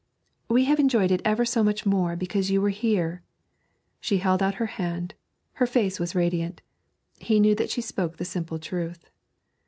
'We have enjoyed it ever so much more because you were here.' She held out her hand; her face was radiant; he knew that she spoke the simple truth.